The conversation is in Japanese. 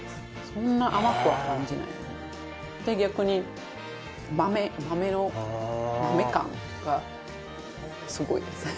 そんなに甘くは感じないですで逆に豆豆の豆感がすごいですね